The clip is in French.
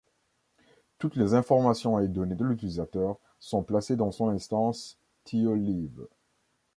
Toutes les informations et données de l'utilisateur sont placées dans son instance TioLive.